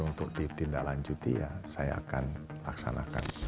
untuk ditindaklanjuti ya saya akan laksanakan